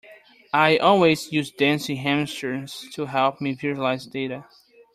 I always use dancing hamsters to help me visualise data.